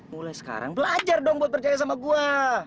mulai sekarang belajar dong buat percaya sama gue